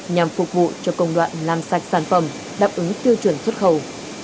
nhằm phục vụ cho công đoạn làm sạch sản phẩm đáp ứng tiêu chuẩn xuất khẩu